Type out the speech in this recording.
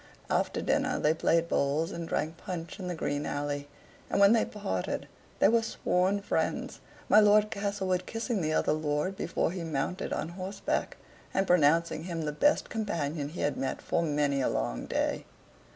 After dinner they played bowls and drank punch in the green alley; and when they parted they were sworn friends, my Lord Castlewood kissing the other lord before he mounted on horseback, and pronouncing him the best companion he had met for many a long day.